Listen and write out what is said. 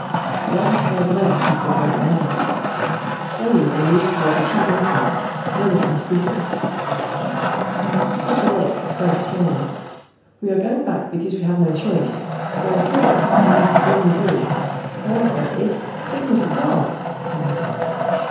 The leadys followed them out into the great warehouse. Slowly they moved toward the Tube entrance, none of them speaking. At the lip, Franks turned. "We are going back because we have no choice. There are three of us and about a dozen of you. However, if " "Here comes the car," Taylor said.